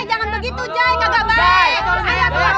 jangan begitu jaya kagak baik